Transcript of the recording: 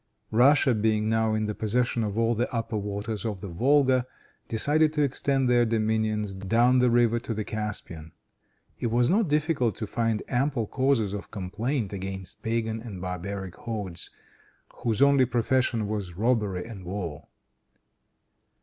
Russia, being now in possession of all the upper waters of the Volga, decided to extend their dominions down the river to the Caspian. It was not difficult to find ample causes of complaint against pagan and barbaric hordes, whose only profession was robbery and war.